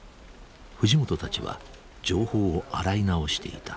藤本たちは情報を洗い直していた。